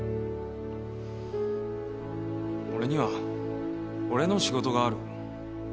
「俺には俺の仕事がある」